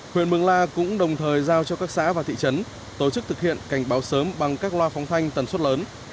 huyện mường la cũng đồng thời giao cho các xã và thị trấn tổ chức thực hiện cảnh báo sớm bằng các loa phóng thanh tần suất lớn